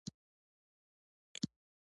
افغانان با استعداده دي